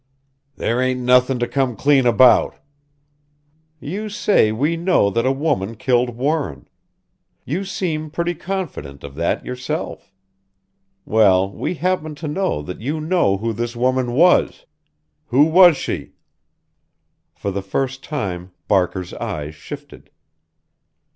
"There ain't nothin' to come clean about." "You say we know that a woman killed Warren. You seem pretty confident of that yourself. Well, we happen to know that you know who this woman was. Who was she?" For the first time Barker's eyes shifted.